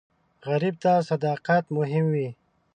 غریب ته صداقت مهم وي